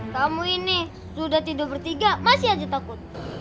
kamu ini sudah tidur bertiga masih aja takut